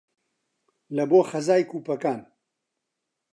لە بۆ خەزای کوپەکان